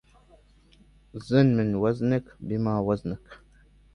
زن من وزنك بما وزنك